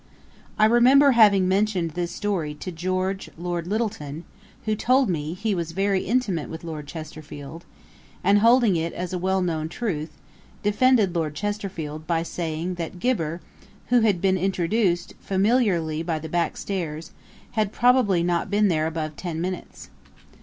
I remember having mentioned this story to George Lord Lyttelton, who told me, he was very intimate with Lord Chesterfield; and holding it as a well known truth, defended Lord Chesterfield, by saying, that 'Gibber, who had been introduced, familiarly by the back stairs, had probably not been there above ten minutes.'